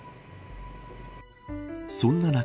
そんな中。